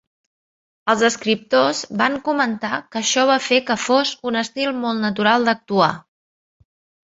Els escriptors van comentar que això va fer que fos un estil molt natural d'actuar.